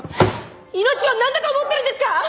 命をなんだと思ってるんですか！